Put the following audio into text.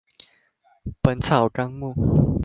本草綱目